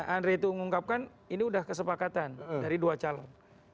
andre itu mengungkapkan ini sudah kesepakatan dari dua calon